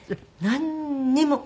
なんにも。